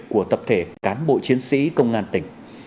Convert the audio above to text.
của tập thể cán bộ chiến sĩ công an tỉnh